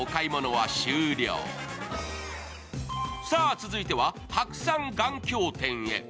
続いては白山眼鏡店へ。